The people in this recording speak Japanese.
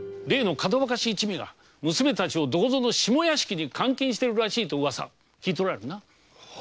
かどわかし一味が娘たちをどこぞの下屋敷に監禁しているという噂聞いておられるな？